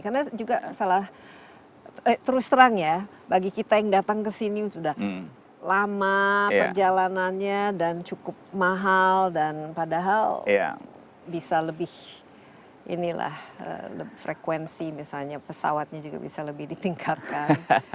karena juga salah eh terus terang ya bagi kita yang datang kesini sudah lama perjalanannya dan cukup mahal dan padahal bisa lebih inilah frekuensi misalnya pesawatnya juga bisa lebih ditinggalkan